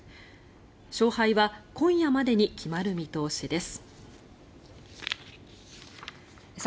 勝敗は今夜までに決まる見通しです。